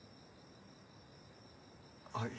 はい。